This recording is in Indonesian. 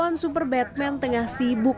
pahlawan super batman tengah sibuk